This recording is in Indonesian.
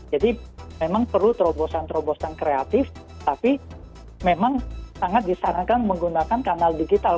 jadi memang perlu terobosan terobosan kreatif tapi memang sangat disarankan menggunakan kanal digital